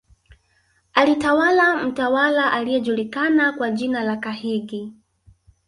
Alitawala mtawala aliyejulikana kwa jina la Kahigi